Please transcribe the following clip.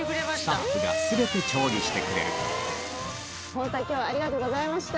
こちらではありがとうございました！